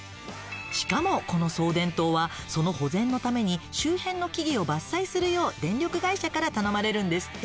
しかもこの送電塔はその保全のために周辺の木々を伐採するよう電力会社から頼まれるんですって。